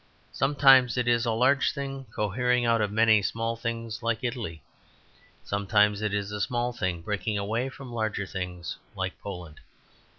Sometimes it is a large thing cohering out of many smaller things, like Italy. Sometimes it is a small thing breaking away from larger things, like Poland.